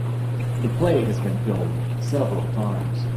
The play has been filmed several times.